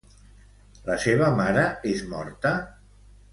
La seva mare és morta?